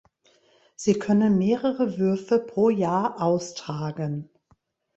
Sie können mehrere Würfe pro Jahr austragen.